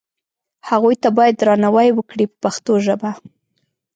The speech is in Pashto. هغو ته باید درناوی وکړي په پښتو ژبه.